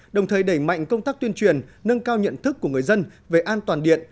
đồng thời đẩy mạnh công tác tuyên truyền nâng cao nhận thức của người dân về an toàn điện